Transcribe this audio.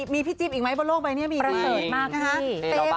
มีพี่จิ๊บอีกไหมบนโลกใบนี้มีประเสริฐมากนะคะ